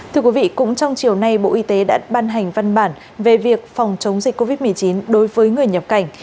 thưa quý vị cũng trong chiều nay bộ y tế đã ban hành văn bản về việc phòng chống dịch covid một mươi chín đối với người nhập cảnh